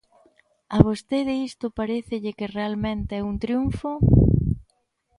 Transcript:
¿A vostede isto parécelle que realmente é un triunfo?